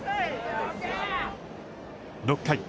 ６回。